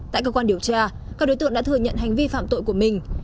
tại cơ quan điều tra các đối tượng đã thừa nhận hành vi phạm tội của mình